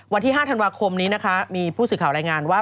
วันที่๕ธันวาคมนี้นะคะมีผู้สื่อข่าวรายงานว่า